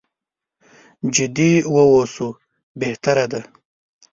جدي واوسو بهتره ده.